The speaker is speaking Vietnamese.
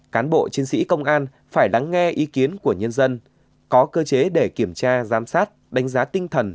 cán bộ chiến sĩ công an phải lắng nghe ý kiến của nhân dân có cơ chế để kiểm tra giám sát đánh giá tinh thần